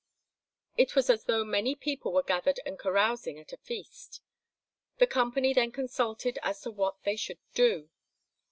It was as though many people were gathered and carousing at a feast. The company then consulted as to what they should do.